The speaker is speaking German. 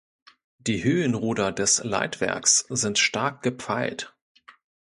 Die Höhenruder des Leitwerks sind stark gepfeilt.